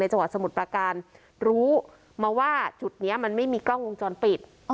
จังหวัดสมุทรประการรู้มาว่าจุดนี้มันไม่มีกล้องวงจรปิด